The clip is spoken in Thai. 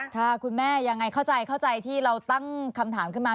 ค่ะคุณแม่ยังไงเข้าใจที่เราตั้งคำถามขึ้นมา